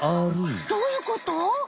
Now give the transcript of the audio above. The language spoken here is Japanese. どういうこと？